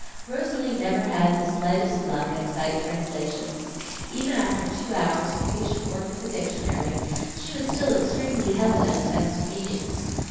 Rosalie never had the slightest luck at sight translations; even after two hours of patient work with a dictionary, she was still extremely hesitant as to meanings.